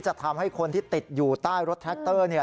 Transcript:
จะทำให้คนที่ติดอยู่ใต้รถแท็กเตอร์เนี่ย